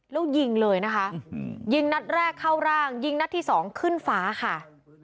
แล้วยิงเลยนะคะยิงนัดแรกเข้าร่างยิงนัดที่สองขึ้นฟ้าค่ะ